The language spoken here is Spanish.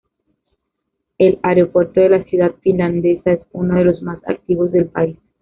El aeropuerto de la ciudad finlandesa es uno de los más activos del país.